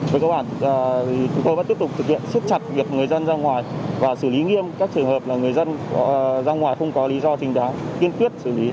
với cơ bản thì chúng tôi vẫn tiếp tục thực hiện siết chặt việc người dân ra ngoài và xử lý nghiêm các trường hợp là người dân ra ngoài không có lý do chính đáng kiên quyết xử lý